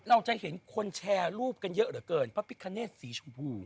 เราจะเห็นคนแชร์รูปกันเยอะเหลือเกินพระพิคเนตสีชมพู